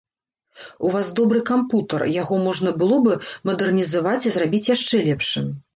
У вас добры кампутар, яго можна было бы мадэрнізаваць і зрабіць яшчэ лепшым.